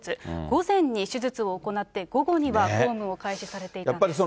午前に手術を行って、午後には公務を開始されていたんです。